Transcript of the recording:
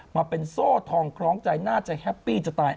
มาเป็นโซ่ทองคล้องใจน่าจะแฮปปี้จะตาย